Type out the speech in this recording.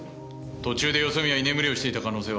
途中でよそ見や居眠りをしていた可能性は？